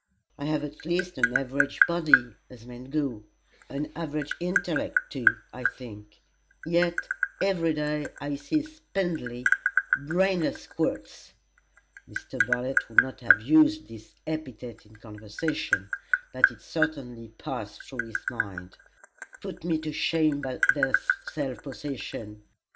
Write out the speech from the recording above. I have at least an average body, as men go an average intellect, too, I think; yet every day I see spindly, brainless squirts [Mr. Bartlett would not have used this epithet in conversation, but it certainly passed through his mind] put me to shame by their self possession.